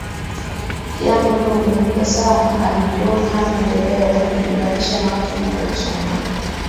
jambo lililomuumiza sana alijiona hana maendeleo akijilinganisha na watu aliosoma nao